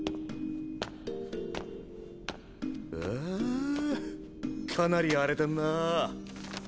うわかなり荒れてんな。